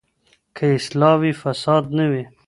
که اصلاح وي، فساد نه وي.